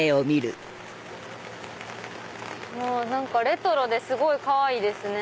何かレトロですごいかわいいですね。